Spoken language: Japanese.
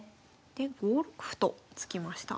で５六歩と突きました。